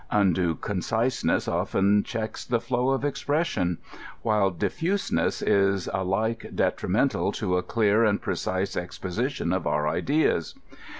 Undue concise ness often checks the flow of expression, while difliiseness is alike detrimental to a clear and precise exposition of our ideas.